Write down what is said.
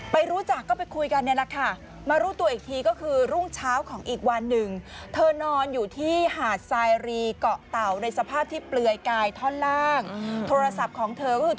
ไปรู้จักก็ไปคุยกันเนี่ยล่ะค่ะมารู้ตัวอีกทีก็คือรุ่งเช้าของอีกวันหนึ่ง